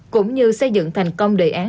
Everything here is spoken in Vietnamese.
cũng như xây dựng thành công đề án